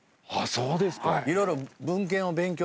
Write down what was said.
そうですね。